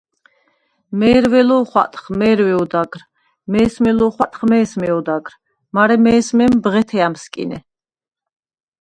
მე̄რვე ლოხატხ, მე̄რვე ოდაგრ, მე̄სმე ლოხვატხ, მე̄სმე ოდაგრ, მარე მე̄სმემ ბღეთე ა̈მსკინე.